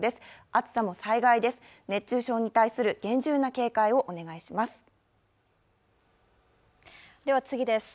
暑さも災害です、熱中症に対する厳重な警戒をお願いいたします。